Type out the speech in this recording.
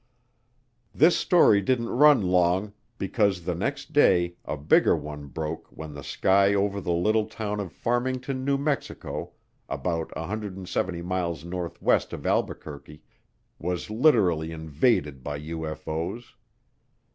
This story didn't run long because the next day a bigger one broke when the sky over the little town of Farmington, New Mexico, about 170 miles northwest of Albuquerque, was literally invaded by UFO's.